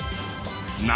何？